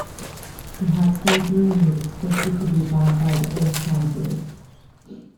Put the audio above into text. He had surgery and was expected to be back by the All-Star break.